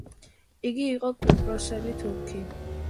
იგი იყო კვიპროსელი თურქი.